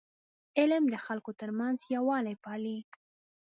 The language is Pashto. علم د خلکو ترمنځ یووالی پالي.